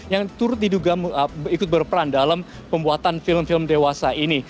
yang turut diduga ikut berperan dalam pembuatan film film dewasa ini